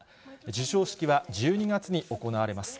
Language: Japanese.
授賞式は、１２月に行われます。